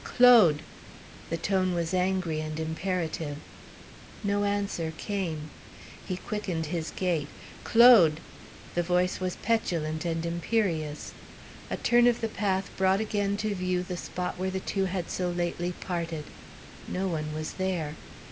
"Claude!" The tone was angry and imperative. No answer came. He quickened his gait. "Claude!" The voice was petulant and imperious. A turn of the path brought again to view the spot where the two had so lately parted. No one was there.